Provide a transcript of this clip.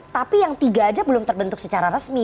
tapi yang tiga aja belum terbentuk secara resmi